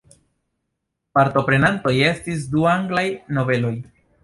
Partoprenantoj estis du anglaj nobeloj.